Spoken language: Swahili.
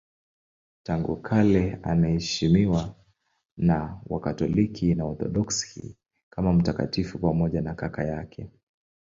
Tangu kale anaheshimiwa na Wakatoliki na Waorthodoksi kama mtakatifu pamoja na kaka yake.